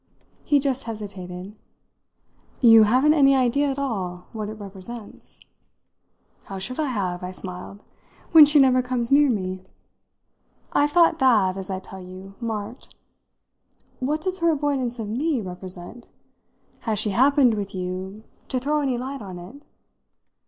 He just hesitated. "You haven't any idea at all what it represents?" "How should I have," I smiled, "when she never comes near me? I've thought that, as I tell you, marked. What does her avoidance of me represent? Has she happened, with you, to throw any light on it?"